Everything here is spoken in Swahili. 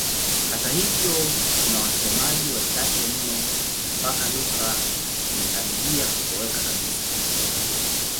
Hata hivyo kuna wasemaji wachache mno mpaka lugha imekaribia kutoweka kabisa.